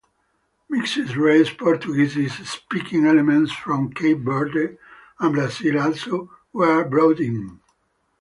Mixed race Portuguese speaking elements from Cape Verde and Brazil also were brought in.